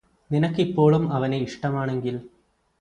നിനക്കിപ്പോളും അവനെ ഇഷ്ടമാണെങ്കിൽ